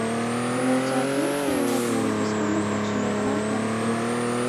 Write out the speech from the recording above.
مېنىڭچە بۇ ئىككى دۆلەتنىڭ ھېچقانداق ئوخشىمايدىغان تەرىپى يوق.